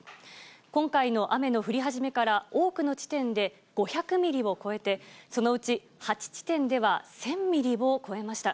今回の雨の降り始めから多くの地点で５００ミリを超えて、そのうち８地点では１０００ミリを超えました。